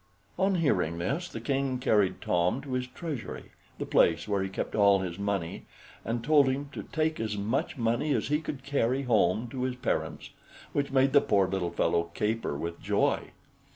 On hearing this, the King carried Tom to his treasury, the place where he kept all his money, and told him to take as much money as he could carry home to his parents, which made the poor little fellow caper with joy.